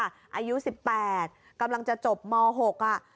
อายุ๑๘กำลังจะจบม๖อ่ะ